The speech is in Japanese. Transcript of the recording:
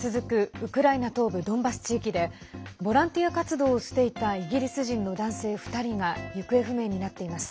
ウクライナ東部ドンバス地域でボランティア活動をしていたイギリス人の男性２人が行方不明になっています。